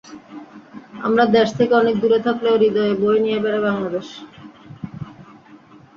আমরা দেশ থেকে অনেক দুরে থাকলেও হৃদয়ে বয়ে নিয়ে বেড়াই বাংলাদেশ।